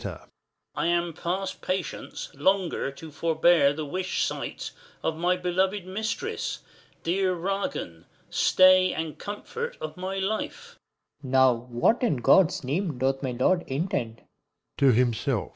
I am past patience, longer to forbear 10 The wished sight of my beloved mistress, Dear Ragan, stay and comfort of my life. Serv. Now what in God's name doth my lord intend